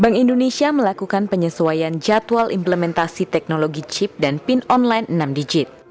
bank indonesia melakukan penyesuaian jadwal implementasi teknologi chip dan pin online enam digit